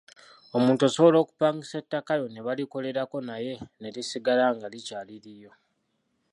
Omuntu osobola okupangisa ettaka lyo ne balikolerako naye ne lisigala nga likyali liryo.